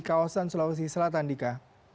kawasan sulawesi selatan dika